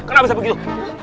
kenapa bisa begitu